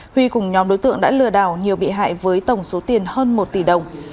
huy cùng nhóm đối tượng đã lừa đảo nhiều bị hại với tổng số tiền hơn một tỷ đồng